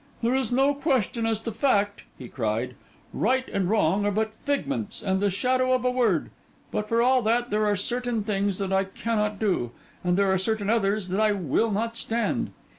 'There is no question as to fact,' he cried; 'right and wrong are but figments and the shadow of a word; but for all that, there are certain things that I cannot do, and there are certain others that I will not stand.